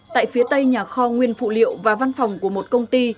tại phía tây nhà kho nguyên phụ liệu và văn phòng của một công ty